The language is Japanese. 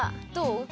どう？